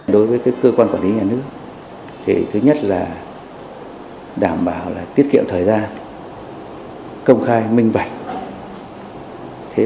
đối với cơ quan quản lý nhà nước thứ nhất là đảm bảo tiết kiệm thời gian công khai minh bạch